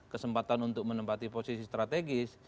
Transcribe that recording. kesempatan untuk menempati posisi strategis